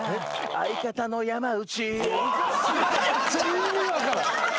「相方の山内」